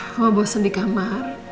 mama bosen di kamar